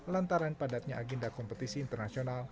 lantaran padatnya agenda kompetisi internasional